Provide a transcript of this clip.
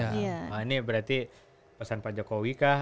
nah ini berarti pesan pak jokowi kah